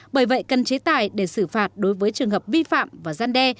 bởi vậy cần chế tài để xử phạt đối với trường hợp vi phạm và gian đe